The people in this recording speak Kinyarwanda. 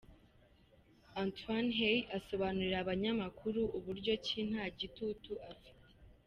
Antoine Hey asobanurira abanyamakuru uburyo ki nta gitutu afite.